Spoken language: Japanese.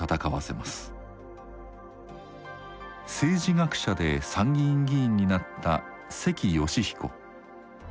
政治学者で参議院議員になった関嘉彦。